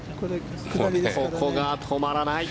ここが止まらない。